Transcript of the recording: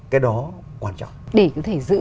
cái đó quan trọng để có thể giữ